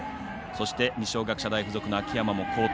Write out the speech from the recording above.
二松学舎大付属の秋山も好投。